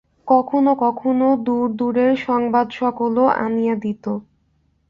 কখনও কখনও দূর-দূরের সংবাদসকলও আনিয়া দিত।